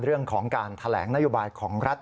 เรื่องของการแถลงนโยบายของรัฐ